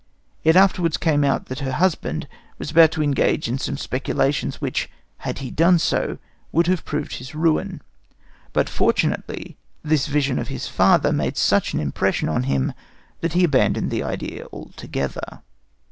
It afterwards came out that her husband was about to engage in some speculations which, had he done so, would have proved his ruin; but, fortunately, this vision of his father made such an impression on him that he abandoned the idea altogether.